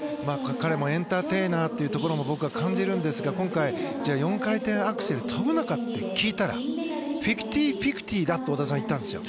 彼もエンターテイナーというところも僕は感じるんですが今回、４回転アクセルを跳ぶのかと聞いたらフィフティーフィフティーだと言ったんですよ。